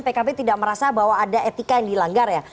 pkb tidak merasa bahwa ada etika yang dilanggar ya